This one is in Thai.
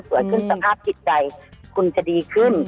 ขึ้นสภาพจิตใจคุณจะดีขึ้น